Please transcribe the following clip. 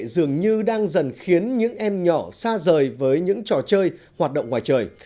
dường như đang dần khiến những em nhỏ xa rời với những trò chơi hoạt động ngoài trời